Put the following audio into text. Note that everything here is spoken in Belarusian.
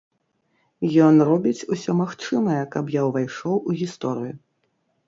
Ён робіць усё магчымае, каб я ўвайшоў у гісторыю.